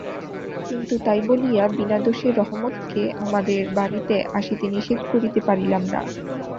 কিন্তু তাই বলিয়া বিনা দোষে রহমতকে আমাদের বাড়িতে আসিতে নিষেধ করিতে পারিলাম না।